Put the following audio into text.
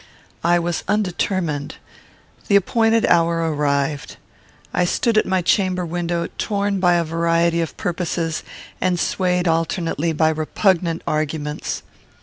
I was undetermined. The appointed hour arrived. I stood at my chamber window, torn by a variety of purposes, and swayed alternately by repugnant arguments.